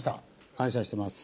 感謝してます。